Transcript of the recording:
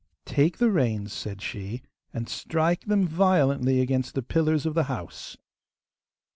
'Take the reins,' said she, 'and strike them violently against the pillars of the house.